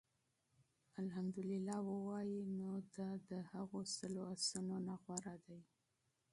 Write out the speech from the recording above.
اَلْحَمْدُ لِلَّه ووايي، نو دا د هغو سلو آسونو نه غوره دي